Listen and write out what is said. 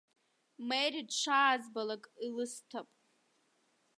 Мери дшаазбалак илысҭап.